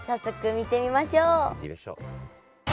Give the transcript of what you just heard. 見てみましょう。